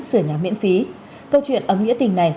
sửa nhà miễn phí câu chuyện ấm nghĩa tình này